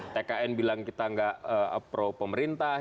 tkn bilang kita tidak approve pemerintah